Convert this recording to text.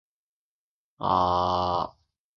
レストランは三階です。